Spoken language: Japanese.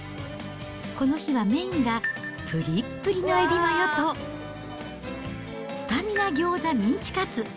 この日はメインがぷりっぷりのエビマヨと、スタミナ餃子ミンチカツ。